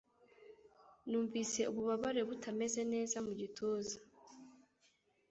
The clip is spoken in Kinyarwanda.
Numvise ububabare butameze neza mu gituza.